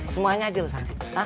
semuanya aja lo sanksi